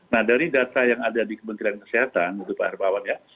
nah dari data yang ada di kementerian kesehatan itu pak herbawan ya